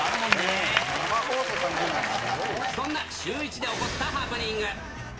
そんなシューイチで起こったハプニング。